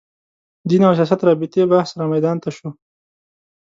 دین او سیاست رابطې بحث رامیدان ته شو